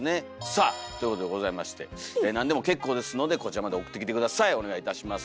さあということでございましてなんでも結構ですのでこちらまで送ってきて下さいお願いいたします。